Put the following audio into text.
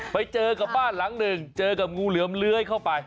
ไปเจอกับบ้านหลังหนึ่งเจอกับงูเหลือมเลื้อยเข้าไป